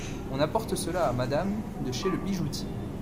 On apporte cela à Madame de chez le bijoutier.